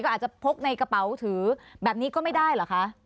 อาจจะพกในกระเป๋าถือแบบนี้ก็ไม่ได้เหรอคะ